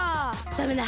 ダメだ！